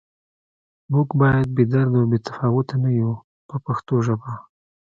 موږ باید بې درده او بې تفاوته نه یو په پښتو ژبه.